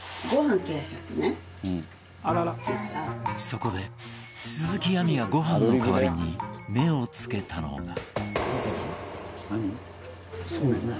そこで、鈴木亜美がご飯の代わりに目を付けたのが。